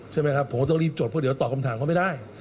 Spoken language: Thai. ผมก็ต้องรีบจดเพราะเดี๋ยวต่อกำถังเค้าไม่ได้